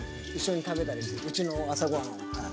うちの朝ごはんをはい。